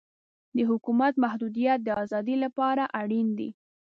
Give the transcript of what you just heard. د حکومت محدودیت د ازادۍ لپاره اړین دی.